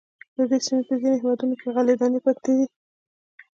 د دې سیمې په ځینو هېوادونو کې غلې دانې پاتې دي.